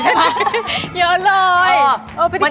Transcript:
ช่วงประเด็นประจันบัน